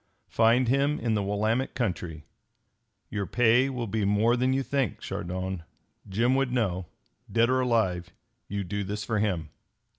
Find him in the Willamette country. Your pay will be more than you think, Chardon. Jim would know. Dead or alive, you do this for him.